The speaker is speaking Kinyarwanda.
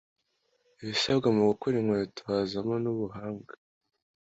ibisabwa mu gukora inkweto hazamo nubuhanga